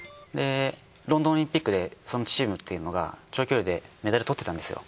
ロンドンオリンピックでそのチームっていうのが長距離でメダルとってたんですよ。